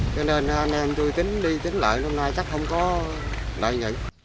cho nên anh em tôi tính đi tính lợi hôm nay chắc không có lợi nhận